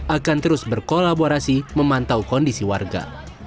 akan terus berkolaborasi memantau kondisi warga